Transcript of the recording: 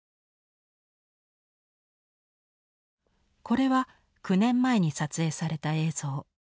これは９年前に撮影された映像。